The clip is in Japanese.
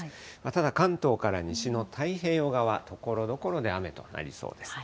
ただ関東から西の太平洋側、ところどころで雨となりそうです。